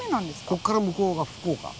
ここから向こうが福岡。